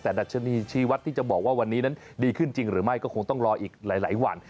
แต่ดัชนีชีวัตรที่จะบอกว่าวันนี้นั้นดีขึ้นจริงหรือไม่ก็คงต้องรออีกหลายวัน